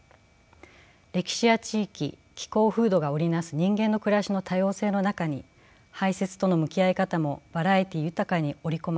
歴史や地域気候風土が織り成す人間の暮らしの多様性の中に排泄との向き合い方もバラエティー豊かに織り込まれているからです。